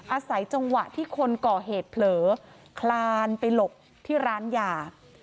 อาศัยจังหวะที่คนก่อเหตุเผลอคลานไปหลบที่ร้านยา